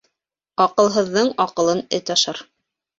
Аҡылһыҙҙың аҡылын эт ашар.